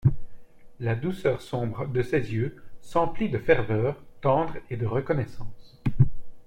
La douceur sombre de ses yeux s’emplit de ferveur tendre et de reconnaissance.